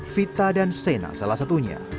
vita dan sena salah satunya